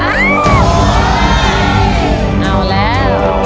เอาแล้ว